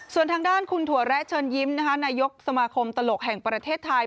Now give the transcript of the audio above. ส่วนทางด้านคุณถั่วแระเชิญยิ้มนายกสมาคมตลกแห่งประเทศไทย